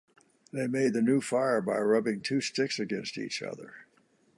They made the new fire by rubbing two sticks against each other.